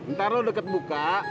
ntar lo deket buka